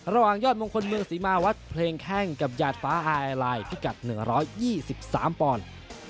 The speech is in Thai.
ยอดมงคลเมืองศรีมาวัดเพลงแข้งกับหยาดฟ้าอายไลน์พิกัด๑๒๓ปอนด์